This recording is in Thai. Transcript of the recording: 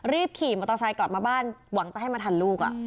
รีบขี่มอเตอร์ไซค์กลับมาบ้านหวังจะให้มาทันลูก